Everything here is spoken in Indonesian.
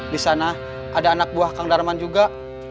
disana ada anak buah kang darman juga